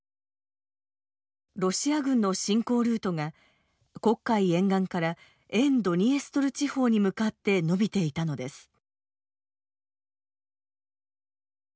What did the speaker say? ロシア軍の侵攻ルートが黒海沿岸から沿ドニエストル地方に向かって伸びていたのです。